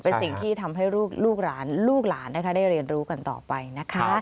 เป็นสิ่งที่ทำให้ลูกหลานลูกหลานได้เรียนรู้กันต่อไปนะคะ